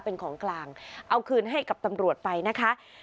เป็นของกลางเอาคืนให้กับตำรวจไปนะคะ